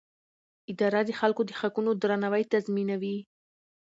اداره د خلکو د حقونو درناوی تضمینوي.